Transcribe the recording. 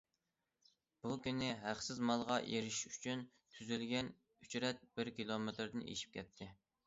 بۇ كۈنى ھەقسىز مالغا ئېرىشىش ئۈچۈن تۈزۈلگەن ئۆچرەت بىر كىلومېتىردىن ئېشىپ كەتتى.